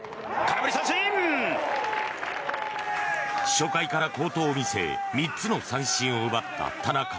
初回から好投を見せ３つの三振を奪った田中。